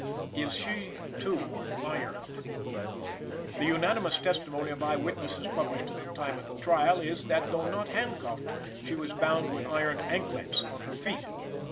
Is she too ironed? The unanimous testimony of eye witnesses published at the time of the trial is, that, though not hand cuffed, she was bound with iron "anklets" on her feet.